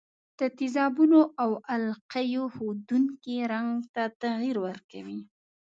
د تیزابونو او القلیو ښودونکي رنګ ته تغیر ورکوي.